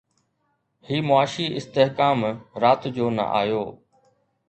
هي معاشي استحڪام رات جو نه آيو